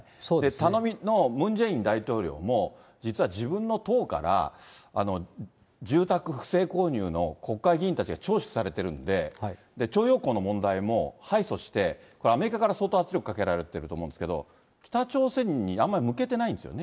頼みのムン・ジェイン大統領も、自分の党から住宅不正購入の国会議員たちが聴取されてるんで、徴用工の問題も敗訴して、これアメリカから相当圧力かけられてると思うんですけれども、北朝鮮にあんまり向けてないんですよね。